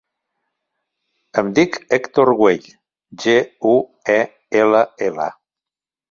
Em dic Hèctor Guell: ge, u, e, ela, ela.